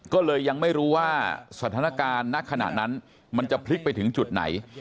ก็เลยยังไม่รู้ว่าสถานการณ์ณขณะนั้นมันจะพลิกไปถึงจุดไหน